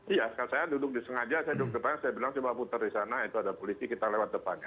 iya saya duduk di sengaja saya duduk depan saya bilang coba putar di sana itu ada polisi kita lewat depannya